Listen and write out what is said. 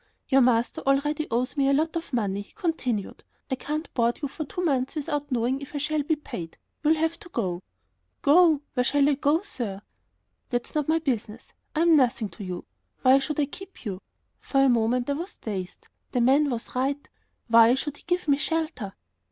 "Your master already owes me a lot of money," he continued. "I can't board you for two months without knowing if I shall be paid. You'll have to go." "Go! Where shall I go, sir?" "That's not my business. I'm nothing to you. Why should I keep you?" For a moment I was dazed. The man was right. Why should he give me shelter?